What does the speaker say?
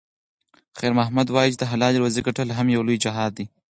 خیر محمد وایي چې د حلالې روزۍ ګټل هم یو لوی جهاد دی.